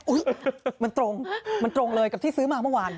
มันตรงมันตรงเลยกับที่ซื้อมาเมื่อวาน